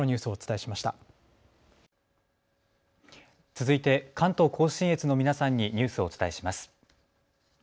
続いて関東甲信越の皆さんにニュースをお伝えします。